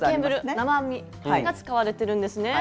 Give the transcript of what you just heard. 縄編みが使われてるんですね。